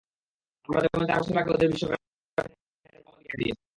আমরা যেমন চার বছর আগে ওদের বিশ্বকাপে হারিয়েছিলাম, ওরাও আমাদের অলিম্পিকে হারিয়েছে।